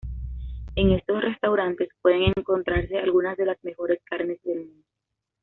En estos restaurantes pueden encontrarse algunas de las mejores carnes del mundo.